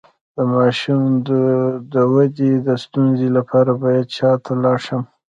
د ماشوم د ودې د ستونزې لپاره باید چا ته لاړ شم؟